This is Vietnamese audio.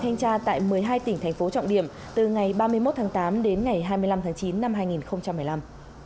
thanh tra tại một mươi hai tỉnh thành phố trọng điểm từ ngày ba mươi một tháng tám đến ngày hai mươi năm tháng chín năm hai nghìn một mươi năm